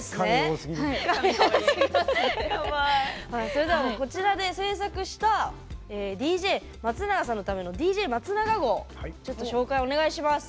それではこちらで製作したＤＪ松永さんのためのＤＪ松永号ちょっと紹介お願いします。